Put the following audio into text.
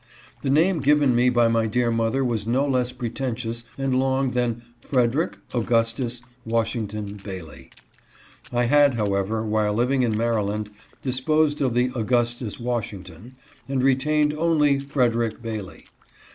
The name given me by my dear mother was no less pretentious and long than Fred erick Augustus Washington Bailey. I had, however, while living in Maryland, disposed of the Augustus Wash ington, and retained only Frederick Bailey.